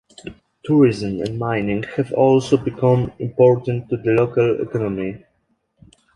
Tourism and mining have also become important to the local economy.